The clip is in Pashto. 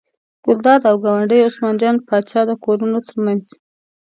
د ګلداد او ګاونډي عثمان جان پاچا د کورونو تر منځ.